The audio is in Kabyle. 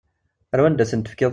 Ar wanda i ten-tefkiḍ?